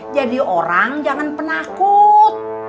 jadi orang jangan penakut